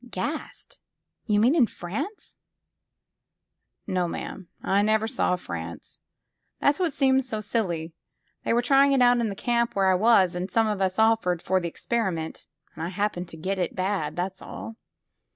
'* Gassed ? You mean in France ?''No, ma 'am. I never saw France. That 's what seems so silly. They were trying it out in the camp where I was, and some of us offered for the experiment, and I happened to get it bad, that 's all.